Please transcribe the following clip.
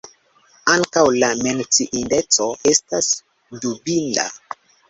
Ankaŭ, la menciindeco estas dubinda.